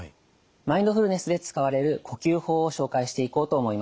マインドフルネスで使われる呼吸法を紹介していこうと思います。